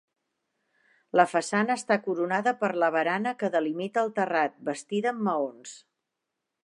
La façana està coronada per la barana que delimita el terrat, bastida amb maons.